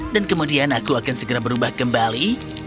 dan kemudian aku akan segera berubah kembali